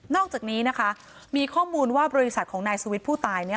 อกจากนี้นะคะมีข้อมูลว่าบริษัทของนายสุวิทย์ผู้ตาย